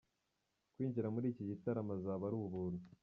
Kwinjira muri iki gitaramo azaba ari ubuntu.